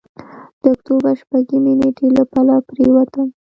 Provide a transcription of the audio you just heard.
د اکتوبر شپږمې نېټې له پله پورېوتم.